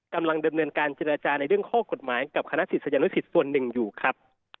กำลังดำเนินการเจรจาในเรื่องข้อกฎหมายกับคณะศิษยานุสิตส่วนหนึ่งอยู่ครับ